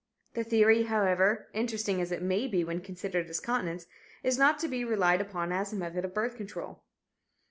The theory, however, interesting as it may be when considered as "continence," is not to be relied upon as a method of birth control.